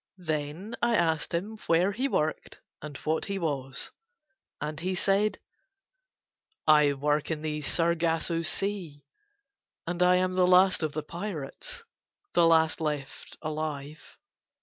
Then I asked him where he worked and what he was. And he said: "I work in the Sargasso Sea, and I am the last of the pirates, the last left alive."